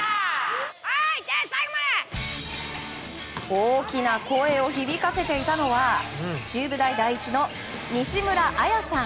大きな声を響かせていたのは中部大第一の西村彩さん。